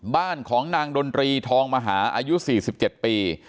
บ้านของนางดนตรีทองมหาอายุ๔๗ปี